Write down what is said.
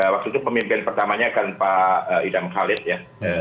waktu itu pemimpin pertamanya kan pak idam khalid ya